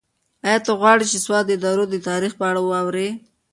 ایا ته غواړې چې د سوات د درو د تاریخ په اړه واورې؟